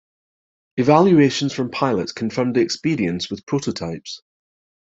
Evaluations from pilots confirmed the experience with prototypes.